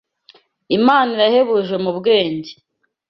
Imana irahebuje mu bwenge